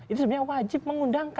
itu sebenarnya wajib mengundangkan